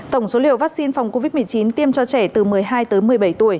tổng số liều vaccine phòng covid một mươi chín tiêm cho trẻ từ một mươi hai tới một mươi bảy tuổi